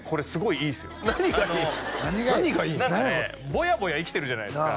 ボヤボヤ生きてるじゃないですか